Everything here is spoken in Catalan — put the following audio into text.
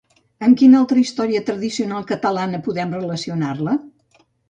Amb quina altra història tradicional catalana podem relacionar-la?